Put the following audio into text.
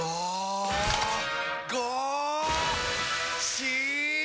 し！